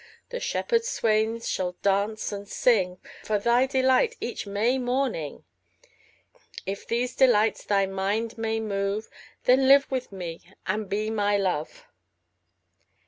20 The shepherd swains shall dance and sing For thy delight each May morning: If these delights thy mind may move, Then live with me and be my Love.